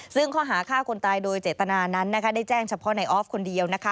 ซึ่งข้อหาฆ่าคนตายโดยเจตนานั้นนะคะได้แจ้งเฉพาะในออฟคนเดียวนะคะ